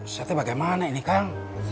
satu bagaimana ini kang